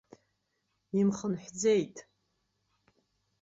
Имхынҳәӡеит.